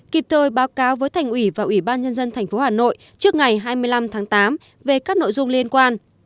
kịp thời báo cáo với thành ủy và ủy ban nhân dân tp hà nội trước ngày hai mươi năm tháng tám về các nội dung liên quan